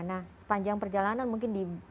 nah sepanjang perjalanan mungkin di